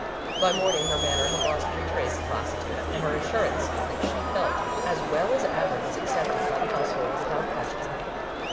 By morning her manner had lost every trace of lassitude and her assurance that she felt as well as ever was accepted by the household without question.